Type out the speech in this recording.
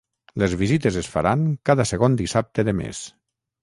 Les visites es faran cada segon dissabte de mes.